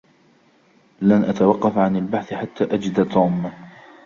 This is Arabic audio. لن أتوقّف عن البحث حتّى أجد توم.